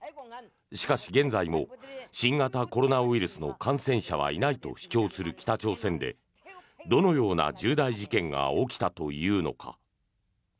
しかし、現在も新型コロナウイルスの感染者はいないと主張する北朝鮮でどのような重大事件が起きたというのか。